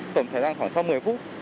tổng thời gian khoảng sau một mươi phút